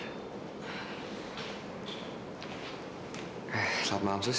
selamat malam sus